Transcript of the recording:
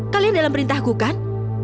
kalian dalam perintahku kan